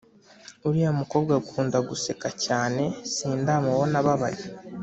uriya mukobwa akunda guseka cyane sindamubona ababaye